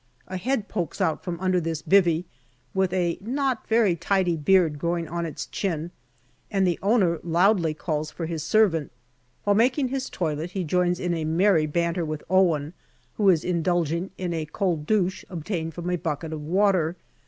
A head pokes out from under this " bivvy " with a not very tidy beard growing on its chin, and the owner loudly calls for his servant. While making his toilet he joins in a merry banter with Owen, who is indulging in a cold douche ob tained from a bucket of water.